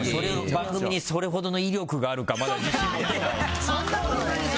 番組にそれほどの威力があるかまだ誰も知らない。